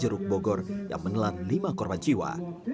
kedua ruk bogor yang menelan lima korban jiwa